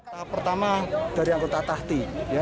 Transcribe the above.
tahap pertama dari anggota tahti